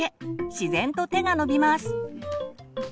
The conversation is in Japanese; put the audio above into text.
自然と手が伸びます。